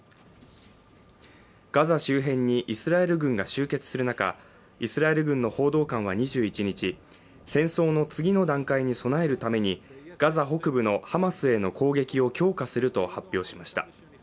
ガザ周辺にイスラエル軍が集結する中、イスラエル軍の報道官は２１日、戦争の次の段階に備えるためにガザ北部のハマスへの攻撃を強化すると発表しました。